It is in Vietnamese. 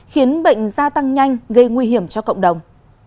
khiến bệnh gia tăng nhanh gây nguy hiểm cho cộng đồng